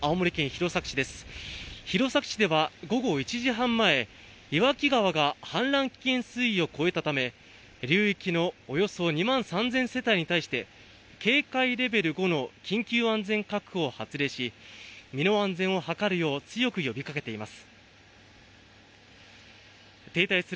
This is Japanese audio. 弘前市では午後１時半前、岩木川が氾濫危険水位を超えたため流域のおよそ２万３０００世帯に対して警戒レベル５の緊急安全確保を発令し、身の安全を図るよう、強く呼びかけています。